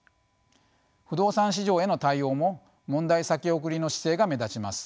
不動産市場への対応も問題先送りの姿勢が目立ちます。